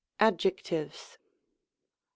Adjectives. 1.